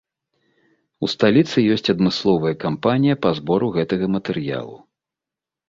У сталіцы ёсць адмысловая кампанія па збору гэтага матэрыялу.